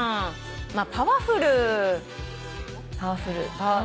「パワフル」「パワフル」